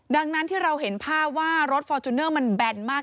ดังนั้นที่เราเห็นภาพว่ารถฟอร์จูเนอร์มันแบนมาก